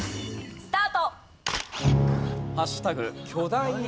スタート！